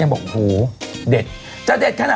จะเด็ดขนาดไหน